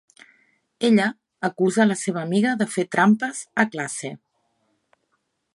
Ella acusa la seva amiga de fer trampes a classe.